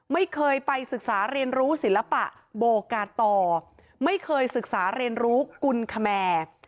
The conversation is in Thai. ไม่เคยไปศึกษาเรียนรู้ศิลปะโบกาตอไม่เคยศึกษาเรียนรู้กุลคแมร์